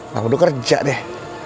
bang bedu kerja deh